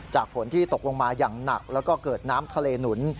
ฝนที่ตกลงมาอย่างหนักแล้วก็เกิดน้ำทะเลหนุน